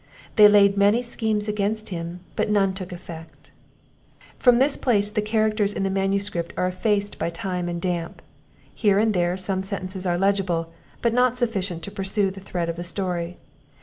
They laid many schemes against him, but none took effect. [From this place the characters in the manuscript are effaced by time and damp. Here and there some sentences are legible, but not sufficient to pursue the thread of the story.